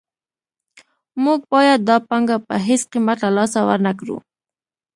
موږ باید دا پانګه په هېڅ قیمت له لاسه ورنکړو